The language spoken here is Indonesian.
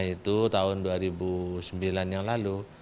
itu tahun dua ribu sembilan yang lalu